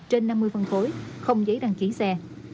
trên năm mươi phân khối không giấy đăng ký xe